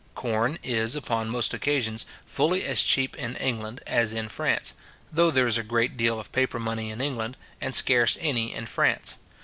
Corn is, upon most occasions, fully as cheap in England as in France, though there is a great deal of paper money in England, and scarce any in France.